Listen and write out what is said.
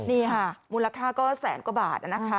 นี่ค่ะมูลค่าก็แสนกว่าบาทนะคะ